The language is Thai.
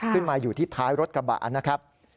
ขึ้นมาอยู่ที่ท้ายรถกระบะนะครับ